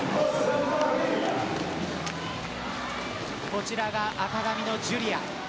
こちらが赤髪のジュリア。